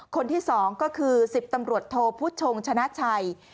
คนที่๒ก็คือ๑๐ตำรวจโทพุชงชนะชัย